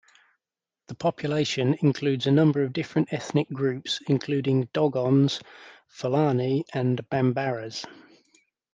The population includes a number of different ethnic groups including Dogons, Fulani and Bambaras.